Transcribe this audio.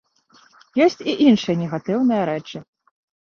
Ёсць і іншыя негатыўныя рэчы.